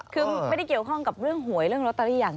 คือไม่ได้เกี่ยวข้องกับเรื่องหวยเรื่องลอตเตอรี่อย่าง